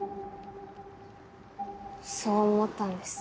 そう思ったんです。